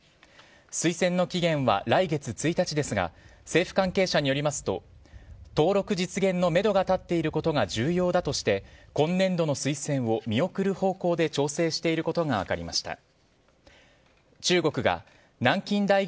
推薦の期限は来月１日ですが政府関係者によりますと登録実現のめどが立っていることが重要だとして今年度の推薦を見送る方向で調整していることが分かりました。